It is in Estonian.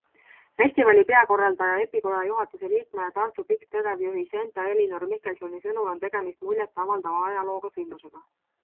Festivali peakorraldaja, EPIKoja juhatuse liikme ja Tartu PIK tegevjuhi Senta-Ellinor Michelsoni sõnul on tegemist muljetavaldava ajalooga sündmusega.